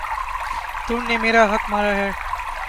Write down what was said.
تم نے میرا حق مارا ہے